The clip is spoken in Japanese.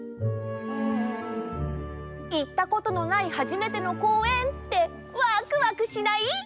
うん。いったことのない初めてのこうえんってわくわくしない？